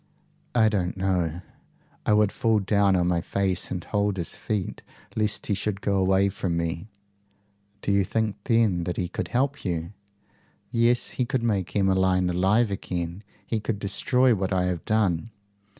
"I don't know. I would fall down on my face and hold his feet lest he should go away from me." "Do you think then he could help you?" "Yes. He could make Emmeline alive again. He could destroy what I have done."